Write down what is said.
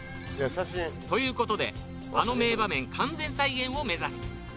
という事であの名場面完全再現を目指す